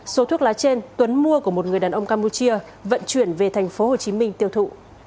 số thuốc lá trên tuấn mua của một người đàn ông campuchia vận chuyển về tp hcm tiêu thụ